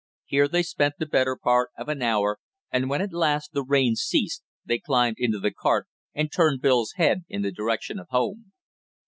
Here they spent the better part of an hour, and when at last the rain ceased they climbed into the cart and turned Bill's head in the direction of home.